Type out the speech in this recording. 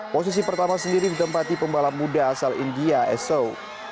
posisi pertama sendiri ditempati pembalap muda asal india eso